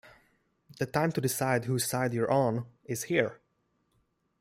The time to decide whose side you're on is here.